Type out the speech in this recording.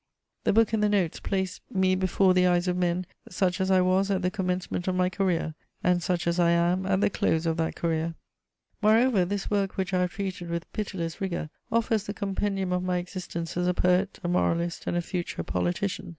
The book and the notes place me before the eyes of men such as I was at the commencement of my career and such as I am at the close of that career. [Sidenote: The Essai reprinted.] Moreover, this work which I have treated with pitiless rigour offers the compendium of my existence as a poet, a moralist and a future politician.